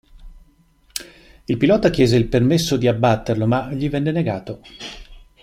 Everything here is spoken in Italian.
Il pilota chiese il permesso di abbatterlo, ma gli venne negato.